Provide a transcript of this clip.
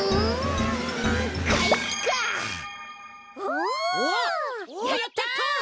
おおやった！